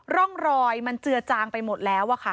ร่องรอยมันเจือจางไปหมดแล้วค่ะ